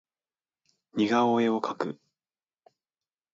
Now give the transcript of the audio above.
似顔絵を描く